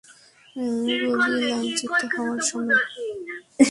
বগি লাইনচ্যুত হওয়ার সময় চাকার ঘর্ষণে রেললাইনের অনেকখানি অংশের স্লিপার ভেঙে গেছে।